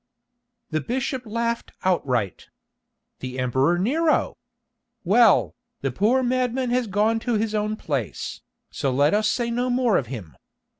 The bishop laughed outright. "The Emperor Nero! Well, the poor madman has gone to his own place, so let us say no more of him.